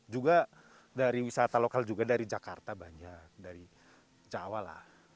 juga dari wisata lokal juga dari jakarta banyak dari jawa lah